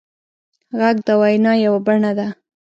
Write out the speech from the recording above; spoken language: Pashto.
غږ د وینا یوه بڼه ده